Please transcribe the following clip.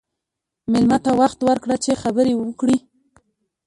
مېلمه ته وخت ورکړه چې خبرې وکړي.